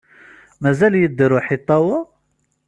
Mazal yedder uḥitaw-a?